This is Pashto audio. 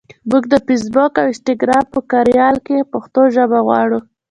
مونږ د فېسبوک او انسټګرام په کاریال کې پښتو ژبه غواړو.